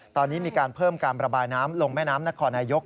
ตอนนี้มีการเพิ่มการระบายน้ำลงแม่น้ำนครนายก